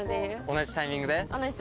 同じタイミングで。